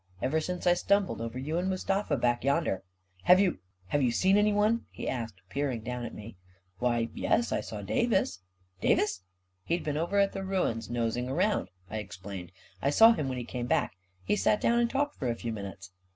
Ever since I stumbled over you and Mustafa back yonder." " Have you — have you seen anyone? " he asked, peering down at me. 11 Why, yes — I saw Davis." "Davis?" " He'd been over af the ruins nosing around," I explained. " I saw him when he came back. He sat down and talked for a few minutes."